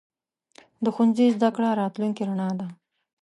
د ښوونځي زده کړه راتلونکې رڼا ده.